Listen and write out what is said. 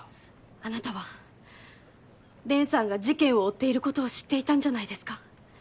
あなたは蓮さんが事件を追っていることを知っていたんじゃないですか？